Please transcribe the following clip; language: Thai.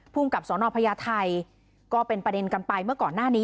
กับสนพญาไทยก็เป็นประเด็นกันไปเมื่อก่อนหน้านี้